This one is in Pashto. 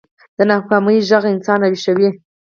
د ناکامۍ غږ انسان راويښوي